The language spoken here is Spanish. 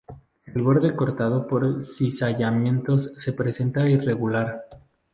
El borde cortado por cizallamiento se presenta irregular.